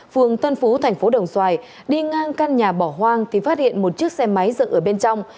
phường tân phú thành phố đồng xoài đi ngang căn nhà bỏ hoang thì phát hiện một chiếc xe máy dựng ở bên trong